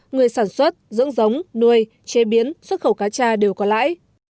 người sản xuất dưỡng dưỡng giống nuôi chế biến xuất khẩu cá cha đều có lãi